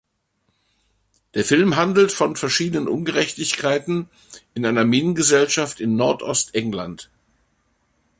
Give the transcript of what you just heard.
Der Film handelt von verschiedenen Ungerechtigkeiten in einer Minengesellschaft in Nordostengland.